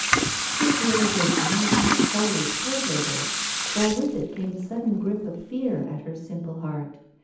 This realization was not wholly pleasurable, for with it came a sudden grip of fear at her simple heart.